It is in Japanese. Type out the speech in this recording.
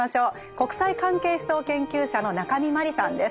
国際関係思想研究者の中見真理さんです。